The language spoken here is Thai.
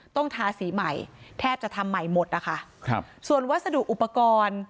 ทาสีใหม่แทบจะทำใหม่หมดนะคะครับส่วนวัสดุอุปกรณ์